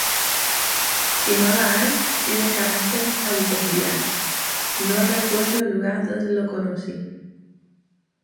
Si no lo hay, tiene carácter adverbial: No recuerdo el lugar donde lo conocí.